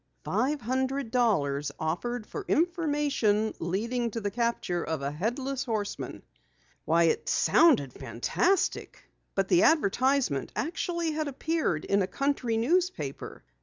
Five hundred dollars offered for information leading to the capture of a Headless Horseman! Why, it sounded fantastic. But the advertisement actually had appeared in a country newspaper.